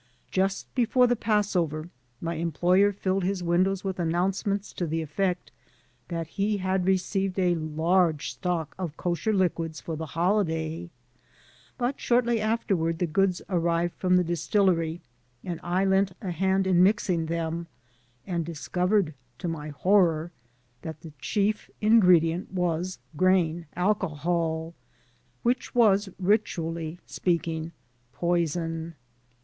Just before the Passover my employer filled his windows with announce ments to the effect that he had received a large stock of kosher liquids for the holiday, but shortly afterward the goods arrived from the distillery and I lent a hand in mixing them, and discovered to my horror that the chief ingredient was grain alcohol, which was, rituaUy speaking, poison.